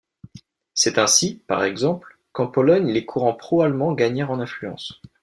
C'est ainsi, par exemple, qu'en Pologne les courants pro-allemands gagnèrent en influence.